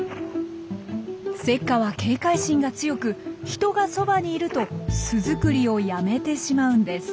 セッカは警戒心が強く人がそばにいると巣作りをやめてしまうんです。